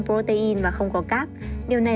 protein và không có cáp điều này